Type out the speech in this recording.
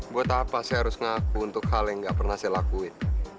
buat apa saya harus ngaku untuk hal yang gak pernah saya lakuin